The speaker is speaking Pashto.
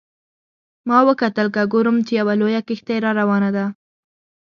ما وکتل که ګورم چې یوه لویه کښتۍ را روانه ده.